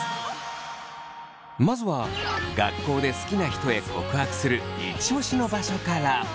まずは学校で好きな人へ告白するイチオシの場所から。